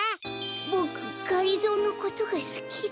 ボクがりぞーのことがすきだ。